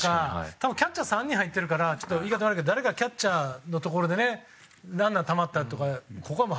多分キャッチャー３人入ってるからちょっと言い方悪いけど誰かキャッチャーのところでねランナーたまったとかここはもう早めに。